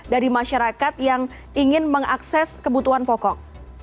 dari masyarakat yang ingin mengakses kebutuhan pokok